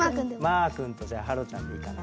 まーくんとじゃあはろちゃんでいいかな？